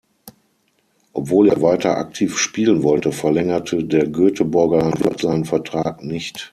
Obwohl er weiter aktiv spielen wollte, verlängerte der Göteborger Klub seinen Vertrag nicht.